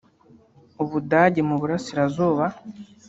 Ubudage mu burasirazuba